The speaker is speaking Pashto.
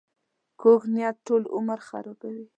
کوږ نیت ټول عمر خرابوي